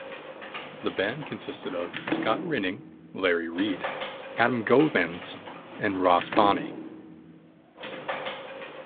The band consisted of Scott Rinning, Larry Reid, Adam Goemans and Ross Bonney.